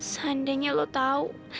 seandainya lo tau